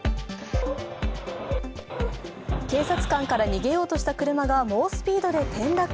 警察官から逃げようとした車が猛スピードで転落。